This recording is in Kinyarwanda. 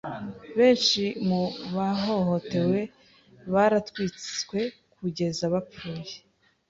Benshi mu bahohotewe baratwitswe kugeza bapfuye.